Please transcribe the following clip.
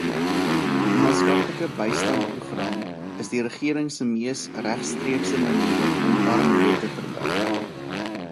Die maatskaplike bystandsprogram is die regering se mees regstreekse manier om armoede te verlig.